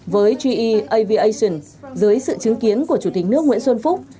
với jee aviation dưới sự chứng kiến của chủ tịch nước nguyễn xuân phúc